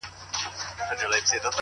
خدایه دا څه کیسه وه!! عقيدې کار پرېښود!!